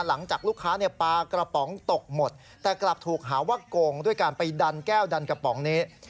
หลังจากลูกค้าปลากระป๋องตกหมดแต่กลับถูกหาว่าโกงด้วยการไปดันแก้วดันกระป๋องนี้